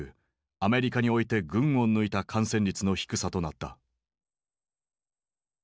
アメリカにおいて群を抜いた感染率の低さとなった。